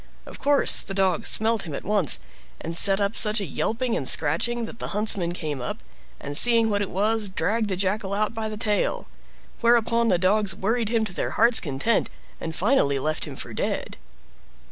Of course the dogs smelt him at once, and set up such a yelping and scratching that the huntsman came up, and seeing what it was, dragged the Jackal out by the tail. Whereupon the dogs worried him to their heart's content, and finally left him for dead.